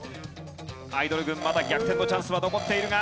アイドル軍まだ逆転のチャンスは残っているが。